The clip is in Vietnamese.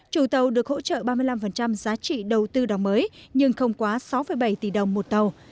chủ tàu được hỗ trợ ba mươi năm giá trị đầu tư đóng mới nhưng không quá sáu bảy tỷ đồng một tàu